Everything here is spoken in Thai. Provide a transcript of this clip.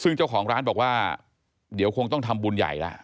ซึ่งเจ้าของร้านบอกว่าเดี๋ยวคงต้องทำบุญใหญ่แล้ว